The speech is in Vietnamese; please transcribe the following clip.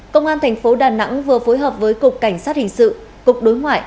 công an thành phố đà nẵng vừa phối hợp với cục cảnh sát hình sự cục đối ngoại